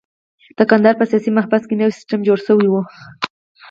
د کندهار په سیاسي محبس کې نوی سیستم جوړ شوی وو.